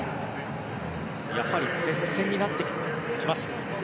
やはり接戦になってきます。